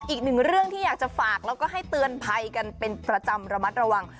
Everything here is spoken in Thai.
อีกหนึ่งเรื่องที่อยากจะฝากแล้วก็ให้เตือนภัยกันเป็นประจำระมัดระวัง